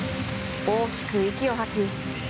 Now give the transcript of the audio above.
大きく息を吐き